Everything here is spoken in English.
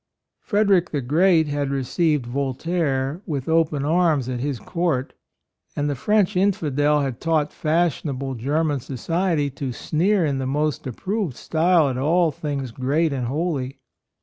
Frederick the Great had re ceived Voltaire with open arms at his court, and the French infidel had taught fashionable German society to sneer in the most approved style at all things great and hoty.